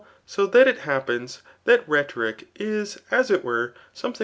so that it lappenstliat iliscbric istas it were something.